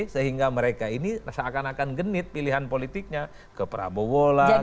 sehingga mereka ini seakan akan genit pilihan politiknya ke prabowo lah